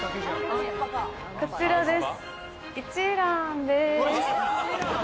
こちらです。